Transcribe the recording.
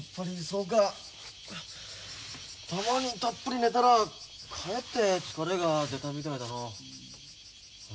たまにたっぷり寝たらかえって疲れが出たみたいだな。